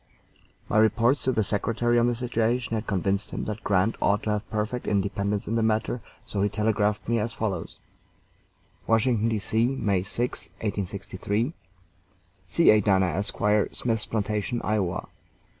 My reports to the Secretary on the situation had convinced him that Grant ought to have perfect independence in the matter, so he telegraphed me as follows: WASHINGTON, D.C., May 6, 1863. C. A. DANA, Esq., Smith's Plantation, Ia.